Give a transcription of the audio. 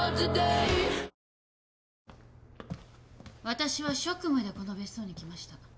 私は職務でこの別荘に来ました。